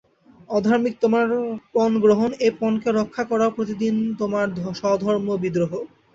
অধার্মিক তোমার পণগ্রহণ, এ পণকে রক্ষা করাও প্রতিদিন তোমার স্বধর্মবিদ্রোহ।